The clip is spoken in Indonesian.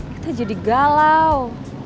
kita jadi galau